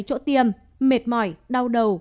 chỗ tiêm mệt mỏi đau đầu